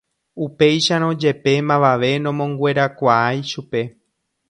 Upéicharõ jepe mavave nomonguerakuaái chupe.